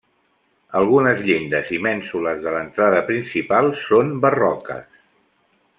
Algunes llindes i mènsules de l'entrada principal són barroques.